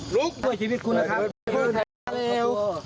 ลุกด้วยชีวิตคุณนะครับ